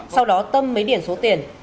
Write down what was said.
sau đó tâm mới điển số tiền